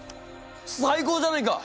最高じゃないか！